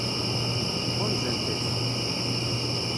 Ɣunzant-k?